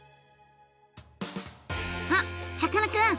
あっさかなクン！